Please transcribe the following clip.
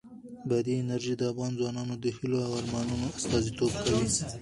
بادي انرژي د افغان ځوانانو د هیلو او ارمانونو استازیتوب کوي.